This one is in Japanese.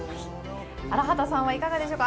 荒畑さんはいかがですか？